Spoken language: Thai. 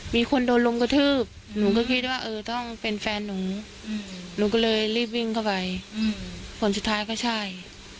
มีคนโดนลุมกระทืบหนูก็คิดว่าเออต้องเป็นแฟนหนูหนูก็เลยรีบวิ่งเข้าไปผลสุดท้ายก็ใช่